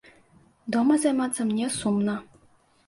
Дома займацца мне сумна.